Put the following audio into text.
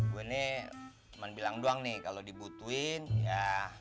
gue nih cuman bilang doang nih kalau dibutuhin ya